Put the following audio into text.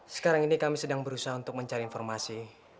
sekarang ini kami sedang berusaha untuk mencari informasi